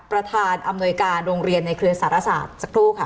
ประธานอำนวยการโรงเรียนในเครือสารศาสตร์สักครู่ค่ะ